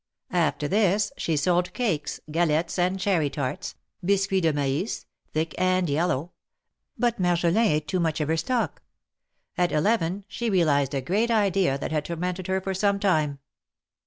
After this she sold cakes, galettes and cherry tarts, biscuits de mais, thick and yellow — but Marjolin eat too much of her stock. At eleven she realized a great idea that had tormented her for some time.